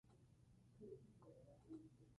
Frogger es una rana común y corriente de color verde.